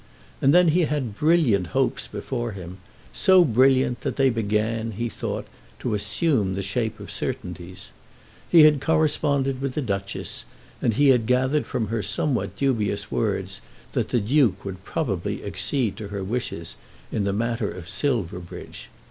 And then he had brilliant hopes before him, so brilliant that they began, he thought, to assume the shape of certainties. He had corresponded with the Duchess, and he had gathered from her somewhat dubious words that the Duke would probably accede to her wishes in the matter of Silverbridge.